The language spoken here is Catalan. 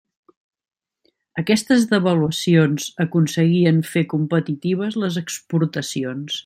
Aquestes devaluacions aconseguien fer competitives les exportacions.